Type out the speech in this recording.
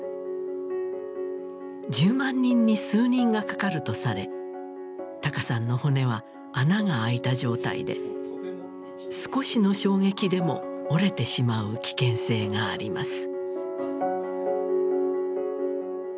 １０万人に数人がかかるとされＴＡＫＡさんの骨は穴があいた状態で少しの衝撃でも折れてしまう危険性があります。